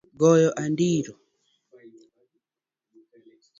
Goyo ondiro